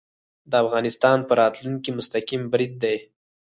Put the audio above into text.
د افغانستان په راتلونکې مستقیم برید دی